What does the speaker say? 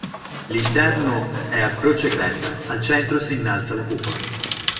L'interno è a croce greca; al centro si innalza la cupola.